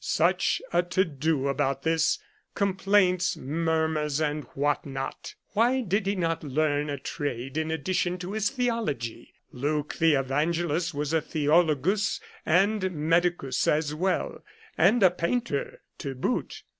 Such a to do about this — complaints, murmurs, and what not ! Why did he not learn a trade in addition to his theology? Luke the Evangelist was a theologus and medicus as well, and a painter to boot.